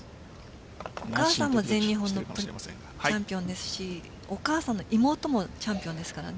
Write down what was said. お母さんも全日本のチャンピオンですしお母さんの妹もチャンピオンですからね。